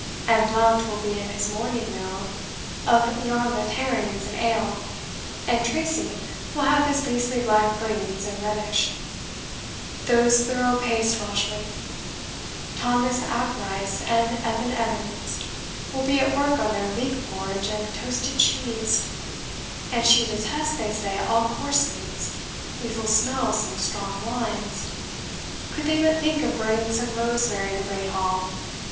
And Blount will be at his morning meal of Yarmouth herrings and ale, and Tracy will have his beastly black puddings and Rhenish; those thorough paced Welshmen, Thomas ap Rice and Evan Evans, will be at work on their leek porridge and toasted cheese; and she detests, they say, all coarse meats, evil smells, and strong wines. Could they but think of burning some rosemary in the great hall!